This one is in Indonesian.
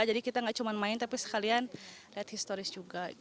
jadi kita nggak cuma main tapi sekalian lihat historisnya